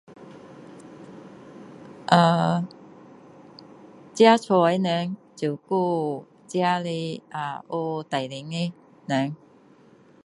ahh 自己家人照顾自己的 ahh 有怀孕的人